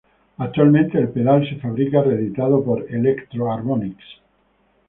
Actualmente el pedal se fabrica reeditado por Electro Harmonix.